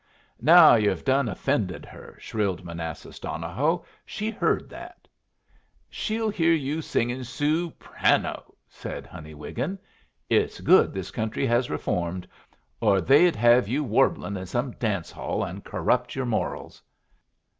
"Now yer've done offended her," shrilled Manassas Donohoe. "She heard that." "She'll hear you singin' sooprano," said Honey Wiggin. "It's good this country has reformed, or they'd have you warblin' in some dance hall and corrupt your morals."